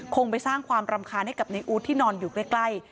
คงไปสร้างความรำคาญให้กับในอู๊ดที่นอนอยู่ใกล้